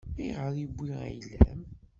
Ayɣer i yewwi ayla-m?